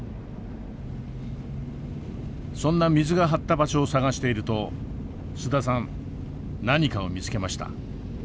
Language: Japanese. そんな水が張った場所を探していると須田さん何かを見つけました。